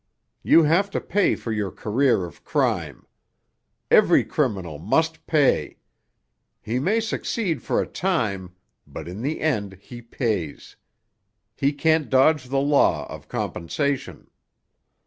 You have to pay for your career of crime. Every criminal must pay! He may succeed for a time, but in the end he pays! He can't dodge the law of compensation."